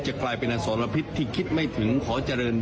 จะกลายเป็นสอนละพิษที่คิดไม่ถึงขอเจริญพอ